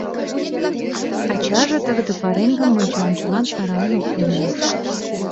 Ачаже тыгыде пареҥгым мончаончылан орален оптен ыле.